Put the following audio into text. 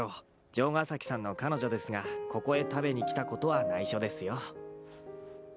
城ヶ崎さんの彼女ですがここへ食べにきたことは内緒ですよ